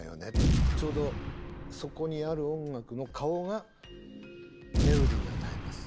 ちょうどそこにある音楽の顔がメロディーにあたります。